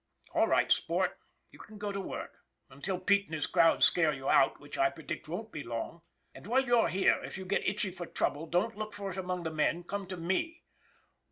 All right, sport, you can go to work until Pete and his crowd scare you out, which I predict won't be long. And while you're here, if you get itchy for trouble don't look for it among the men, come to me."